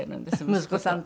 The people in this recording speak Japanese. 息子さんと？